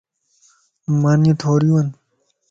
مانيون ٿوريون ون.